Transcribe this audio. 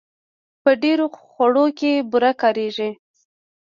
په ډېرو خوړو کې بوره کارېږي.